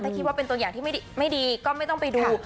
ถ้าคิดว่าเป็นตัวอย่างที่ไม่ดีก็ไม่ต้องไปดู